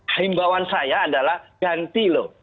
himbawan saya adalah ganti loh